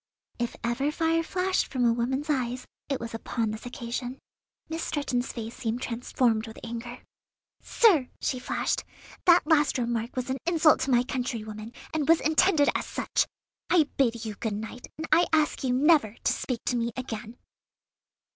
If ever fire flashed from a woman's eyes, it was upon this occasion. Miss Stretton's face seemed transformed with anger. "Sir!" she flashed, "that last remark was an insult to my countrywomen, and was intended as such. I bid you good night, and I ask you never to speak to me again."